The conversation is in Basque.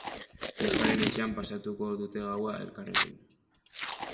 Neskaren etxean pasatuko dute gaua elkarrekin.